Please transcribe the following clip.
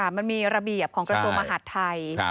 มันมีระเบียบของกระทรวงมหาดไทย